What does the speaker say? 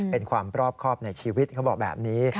เป็นความรอบครอบในชีวิตเขาบอกแบบนี้